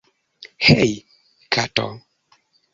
Hej kato